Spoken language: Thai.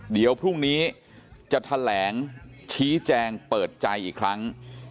เดี๋ยวพรุ่งนี้จะแถลงชี้แจงเปิดใจอีกครั้ง